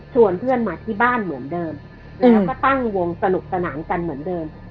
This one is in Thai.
เพื่อนมาที่บ้านเหมือนเดิมแล้วก็ตั้งวงสนุกสนานกันเหมือนเดิม